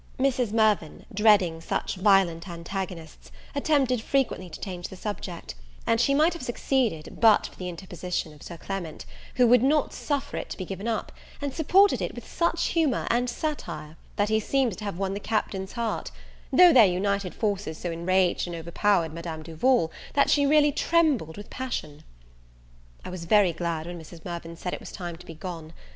Mrs. Mirvan, dreading such violent antagonists, attempted frequently to change the subject; and she might have succeeded, but for the interposition of Sir Clement, who would not suffer it to be given up, and supported it with such humour and satire, that he seems to have won the Captain's heart; though their united forces so enraged and overpowered Madame Duval, that she really trembled with passion. I was very glad when Mrs. Mirvan said it was time to be gone.